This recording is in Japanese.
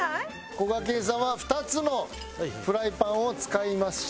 こがけんさんは２つのフライパンを使いました。